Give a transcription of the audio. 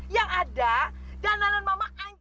yang ada danan anan mama anj